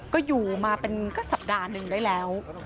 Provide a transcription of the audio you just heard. ก็อยู่มาเป็นก็สัปดาห์หนึ่งได้แล้ว